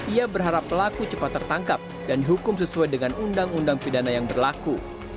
ia berharap pelaku cepat tertangkap dan dihukum sesuai dengan undang undang pidana yang berlaku